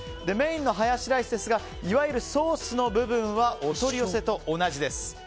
メインのハヤシライスはいわゆるソースの部分はお取り寄せと同じです。